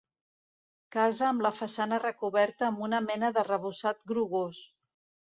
Casa amb la façana recoberta amb una mena d'arrebossat grogós.